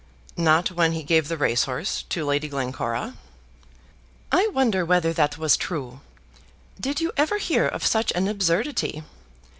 "Not when he gave the racehorse to Lady Glencora?" "I wonder whether that was true. Did you ever hear of such an absurdity?